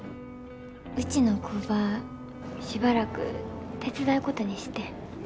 うちの工場しばらく手伝うことにしてん。